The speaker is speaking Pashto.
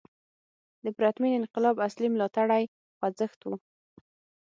د پرتمین انقلاب اصلي ملاتړی خوځښت و.